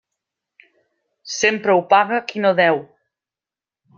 Sempre ho paga qui no deu.